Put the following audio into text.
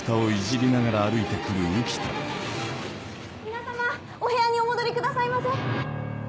皆さまお部屋にお戻りくださいませ！